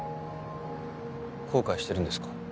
後悔してるんですか？